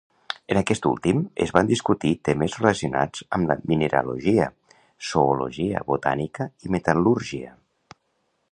En aquest últim es van discutir temes relacionats amb la mineralogia, zoologia, botànica, i metal·lúrgia.